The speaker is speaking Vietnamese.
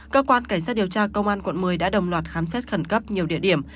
cơ quan cảnh sát điều tra công an quận một mươi đã đồng loạt khám xét khẩn cấp nhiều địa điểm